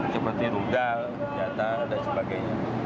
seperti rudal senjata dan sebagainya